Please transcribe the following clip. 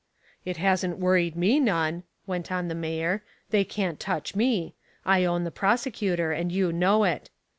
"It hasn't worried me none," went on the mayor. "They can't touch me. I own the prosecutor, and you know it.